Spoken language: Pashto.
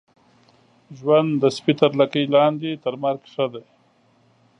ژوند د سپي تر لکۍ لاندي ، تر مرګ ښه دی.